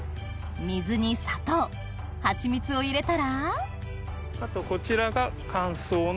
水に砂糖はちみつを入れたらあとこちらが乾燥の。